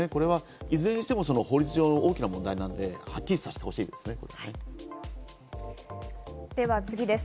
いずれにしても法律上、大きな問題なのではっきりさせてほしいででは次です。